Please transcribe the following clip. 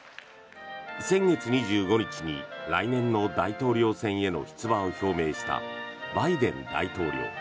先月２５日に来年の大統領選への出馬を表明したバイデン大統領。